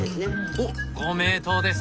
おっご名答です。